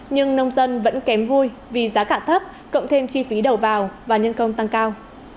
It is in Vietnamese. nhưng nông dân vẫn kém vui vì giá cả thấp cộng thêm chi phí đầu vào và nhân công tăng cao